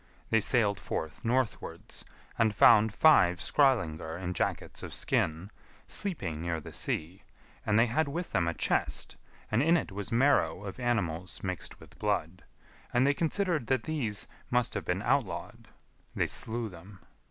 They sailed forth northwards, and found five Skrœlingar in jackets of skin, sleeping [near the sea], and they had with them a chest, and in it was marrow of animals mixed with blood; and they considered that these must have been outlawed. They slew them.